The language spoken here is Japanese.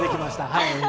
はい。